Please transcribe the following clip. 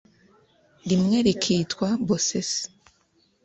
rimwe rikitwa bosesi